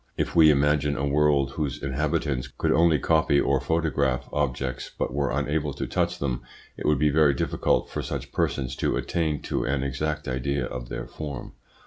If we imagine a world whose inhabitants could only copy or photograph objects, but were unable to touch them, it would be very difficult for such persons to attain to an exact idea of their form.